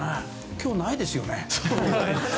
今日ないですよね？